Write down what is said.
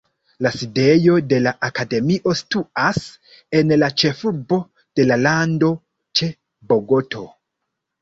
La sidejo de la akademio situas en la ĉefurbo de la lando, ĉe Bogoto.